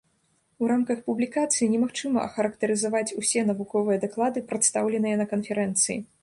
У рамках публікацыі немагчыма ахарактарызаваць усе навуковыя даклады, прадстаўленыя на канферэнцыі.